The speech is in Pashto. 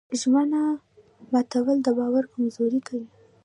ژمنه ماتول د باور کمزوري کوي.